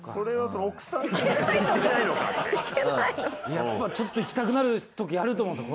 やっぱちょっと行きたくなるときあると思うんですよ